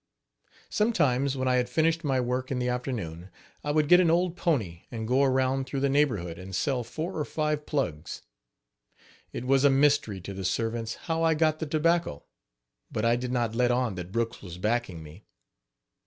Sometimes, when I had finished my work in the afternoon, I would get an old pony and go around through the neighborhood and sell four or five plugs. It was a mystery to the servants how I got the tobacco; but I did not let on that Brooks was backing me.